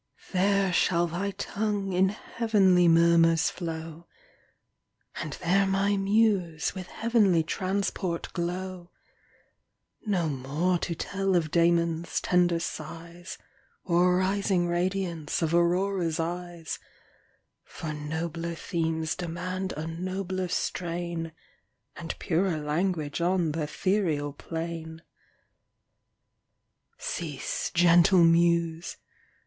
There shall thy tongue in heav'nly murmurs flow, And there my muse with heav'nly transport glow: No more to tell of Damon's tender sighs, Or rising radiance of Aurora's eyes, For nobler themes demand a nobler strain, And purer language on th' ethereal plain. Cease, gentle muse!